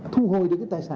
thu hồi được cái tài sản